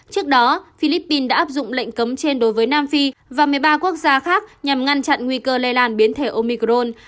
trước đó philippines đã áp dụng lệnh cấm trên đối với nam phi và một mươi ba quốc gia khác nhằm ngăn chặn nguy cơ lây lan biến thể omicron